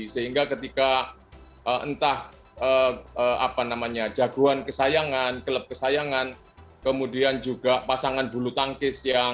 sehingga ketika entah jagoan kesayangan klub kesayangan kemudian juga pasangan bulu tangkis yang